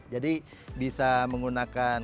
jadi bisa menggunakan